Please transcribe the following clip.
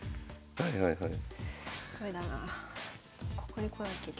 はいはいはい。